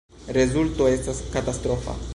Rezulto estas katastrofa.